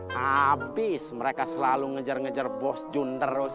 habis mereka selalu ngejar ngejar bos jun terus